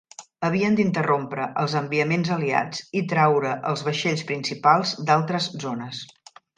Havien d'interrompre els enviaments aliats i traure els vaixells principals d'altres zones.